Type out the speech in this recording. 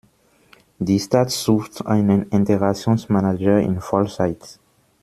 Die Stadt sucht einen Integrationsmanager in Vollzeit.